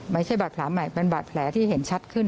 ไม่ใช่บาดแผลใหม่เป็นบาดแผลที่เห็นชัดขึ้น